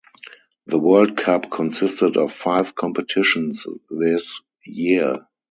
The World Cup consisted of five competitions this year.